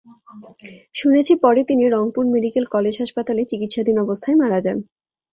শুনেছি পরে তিনি রংপুর মেডিকেল কলেজ হাসপাতালে চিকিৎসাধীন অবস্থায় মারা যান।